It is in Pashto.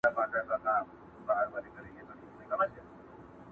چوپتيا کله کله له هر غږ څخه درنه وي ډېر،